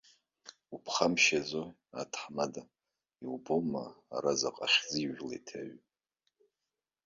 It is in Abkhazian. Уԥхамшьаӡои, аҭаҳмада, иубома ара заҟа хьӡи жәлеи ҭаҩу?